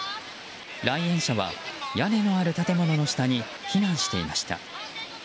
来園者は、屋根のある建物の下に避難していました。